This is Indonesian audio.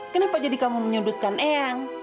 kenapa jadi kamu menyudutkan eyang